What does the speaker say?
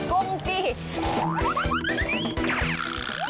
กุ้งจริง